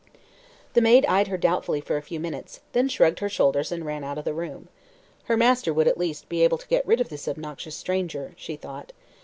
The maid eyed her doubtfully for a few minutes, then shrugged her shoulders and ran out of the room. Her master would, at least, be able to get rid of this obnoxious stranger, she thought.